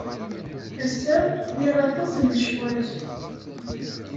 Ass-a, liɣ aṭas n lecɣal.